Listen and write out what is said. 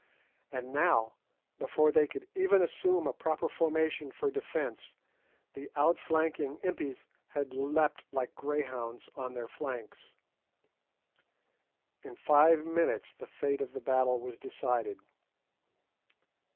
And now, before they could even assume a proper formation for defence, the outflanking Impis had leapt, like greyhounds, on their flanks. In five minutes the fate of the battle was decided.